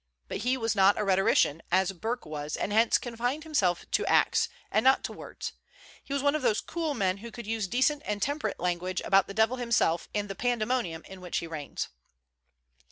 But he was not a rhetorician, as Burke was, and hence confined himself to acts, and not to words. He was one of those cool men who could use decent and temperate language about the Devil himself and the Pandemonium in which he reigns.